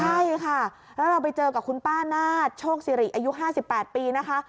ใช่ค่ะแล้วเราไปเจอกับคุณป้านาฏโชคสิริอายุ๕๘ปีนะคะ